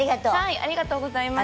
ありがとうございます。